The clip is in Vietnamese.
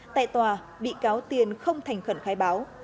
tại tòa bị cáo tiền không thành khẩn khai báo